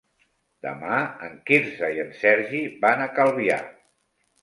Demà en Quirze i en Sergi van a Calvià.